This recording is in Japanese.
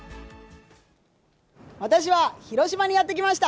私は広島にやって来ました。